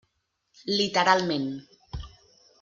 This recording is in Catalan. Literalment.